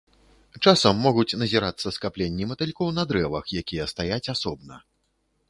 Часам могуць назірацца скапленні матылькоў на дрэвах, якія стаяць асобна.